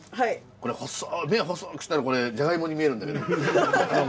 これ目を細くしたらこれじゃがいもに見えるんだけど。